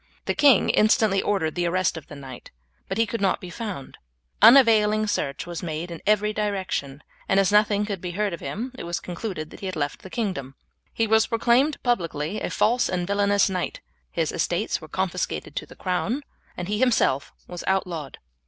The king instantly ordered the arrest of the knight, but he could not be found; unavailing search was made in every direction, and as nothing could be heard of him it was concluded that he had left the kingdom. He was proclaimed publicly a false and villainous knight, his estates were confiscated to the crown, and he himself was outlawed.